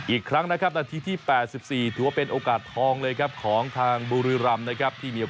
อีกครั้งนะครับนาทีที่๘๔ถือว่าเป็นโอกาสทองเลยครับ